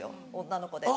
女の子で。